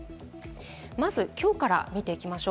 今日から見ていきましょう。